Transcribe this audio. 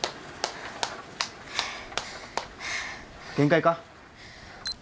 限界か？